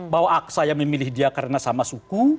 bahwa saya memilih dia karena sama suku